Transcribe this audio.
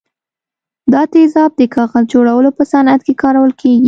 دا تیزاب د کاغذ جوړولو په صنعت کې کارول کیږي.